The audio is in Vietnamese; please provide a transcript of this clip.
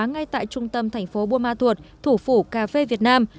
ngay tại trung tâm thành phố buôn ma thuột thủ phủ cà phê việt nam